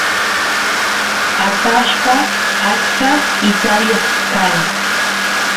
atashpa achka itayoq kan